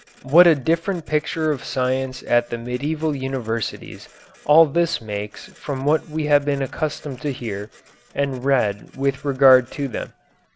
What a different picture of science at the medieval universities all this makes from what we have been accustomed to hear and read with regard to them.